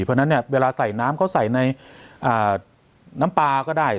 เพราะฉะนั้นเนี่ยเวลาใส่น้ำเขาใส่ในน้ำปลาก็ได้